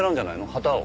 旗を。